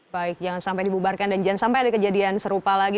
baik jangan sampai dibubarkan dan jangan sampai ada kejadian serupa lagi